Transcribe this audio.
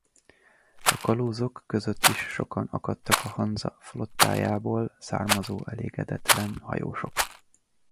A kalózok között is sokan akadtak a Hanza flottájából származó elégedetlen hajósok.